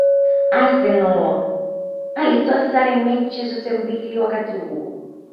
Arsenal alitoa sare mechi zote mbili wakati huo